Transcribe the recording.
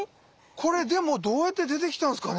これでもどうやって出てきたんですかね？